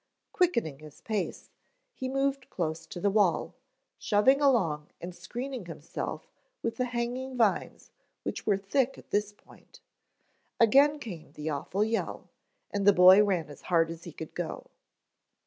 Quickening his pace, he moved close to the wall, shoving along and screening himself with the hanging vines which were thick at this point. Again came the awful yell and the boy ran as hard as he could go.